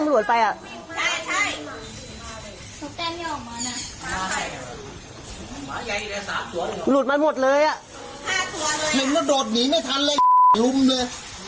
ผู้หลุดมาหมดเลย